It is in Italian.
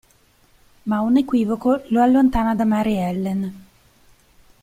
Ma un equivoco lo allontana da Mary Ellen.